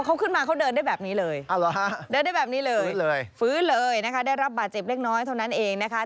เขาขึ้นมาเขาเดินได้แบบนี้เลยเดินได้แบบนี้เลยฟื้นเลยฟื้นเลยนะคะได้รับบาดเจ็บเล็กน้อยเท่านั้นเองนะคะ